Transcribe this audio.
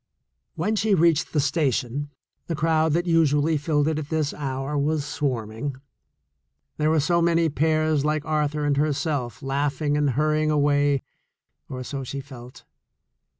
When she reached the station, the crowd that usually filled it at this hour was swarming. There were so many pairs like Arthur and herself laughing and hur rying away or so she felt.